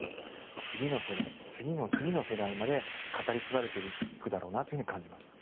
次の世代、次の次の世代まで語り継がれていくだろうなと感じました。